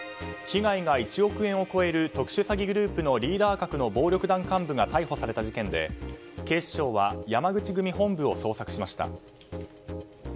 被害が１億円を超える特殊詐欺グループのリーダー格の暴力団幹部が逮捕された事件で警視庁は山口組本部を捜索しました。